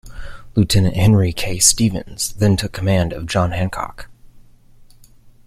Lieutenant Henry K. Stevens then took command of "John Hancock".